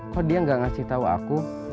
kok dia gak ngasih tahu aku